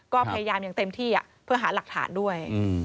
ก็พยายามอย่างเต็มที่เพื่อหาหลักฐานด้วย